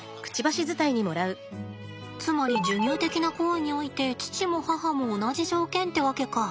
つまり授乳的な行為において父も母も同じ条件ってわけか。